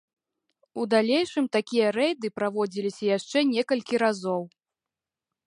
У далейшым такія рэйды праводзіліся яшчэ некалькі разоў.